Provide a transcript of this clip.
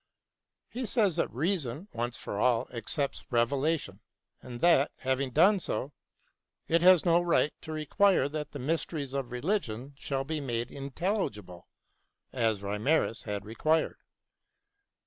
He says that reason once for all accepts revela tion, and that, having done so, it has no right to require that the mysteries of religion shall be made intelligible, as Reimarus had required.